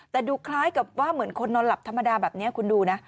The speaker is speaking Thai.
แต่ดูคล้ายกับว่าเหมือนคนนอนหลับธรรมดาแบบนี้คุณดูนะ